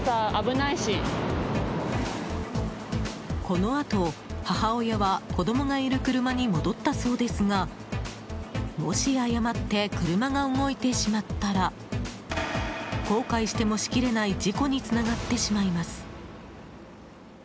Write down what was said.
このあと、母親は子供がいる車に戻ったそうですがもし、誤って車が動いてしまったら後悔してもしきれない事故につながってしまいます。